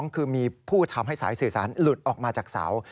คือมีผู้ทำให้สายสื่อสารหลุดออกมาจากเสา